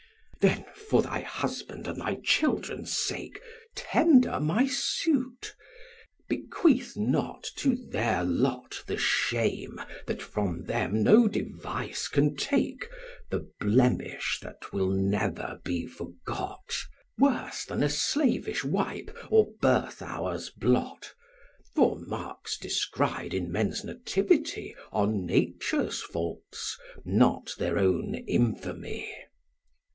'Then, for thy husband and thy children's sake, Tender my suit: bequeath not to their lot The shame that from them no device can take, The blemish that will never be forgot; Worse than a slavish wipe or birth hour's blot: For marks descried in men's nativity Are nature's faults, not their own infamy.'